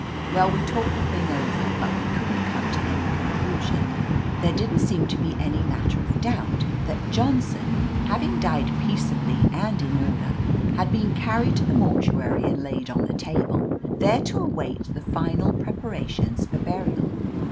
Well, we talked the thing over, but we couldn't come to any conclusion. There didn't seem to be any matter of doubt that Johnson, having died peaceably and in order, had been carried to the mortuary and laid on the table, there to await the final preparations for burial.